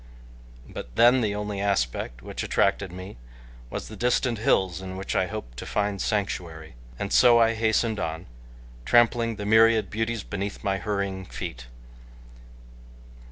But then the only aspect which attracted me was the distant hills in which I hoped to find sanctuary, and so I hastened on, trampling the myriad beauties beneath my hurrying feet.